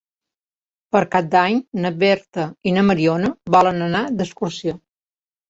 Per Cap d'Any na Berta i na Mariona volen anar d'excursió.